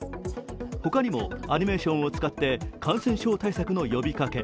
他にもアニメーションを使って感染症対策の呼びかけ。